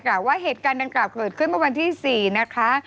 กล่าวว่าเหตุการณ์ดังกล่าวเกิดขึ้นเมื่อวันที่๔นะคะ